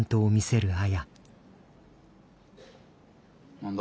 何だ？